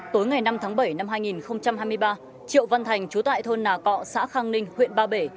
tối ngày năm tháng bảy năm hai nghìn hai mươi ba triệu văn thành chú tại thôn nà cọ xã khang ninh huyện ba bể